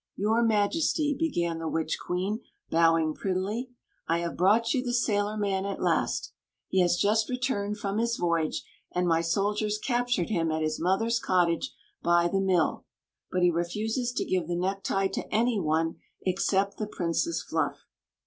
"Your Majesty," began the witch queen, bowing prettily, " I have brought you the sailorman at last. He has just returned from ^ voyage, and my sol diers captured him at his fM^'s cottage % the mill. But he refuses to give the necktie to any one except the Princess Fluff."